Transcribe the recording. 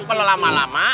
karena kalau lama lama